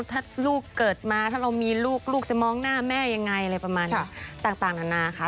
ถ้าลูกเกิดมาถ้าเรามีลูกลูกจะมองหน้าแม่ยังไงอะไรประมาณต่างนานาค่ะ